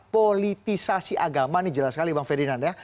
politisasi agama ini jelas sekali bang ferdinand ya